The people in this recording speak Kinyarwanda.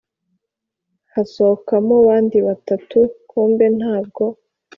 hasohokamo bandi batatu kumbe nabwo